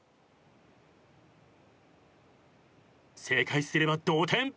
正解すれば同点。